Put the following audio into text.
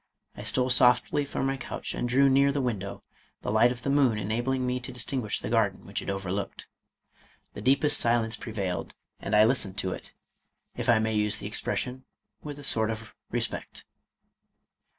I stole softly from my couch, and drew near the win dow, the light of the moon enabling me to distinguish the garden, which it overlooked. The deepest silence prevailed, and I listened to it, if I may use the expres sion, with a sort of respect.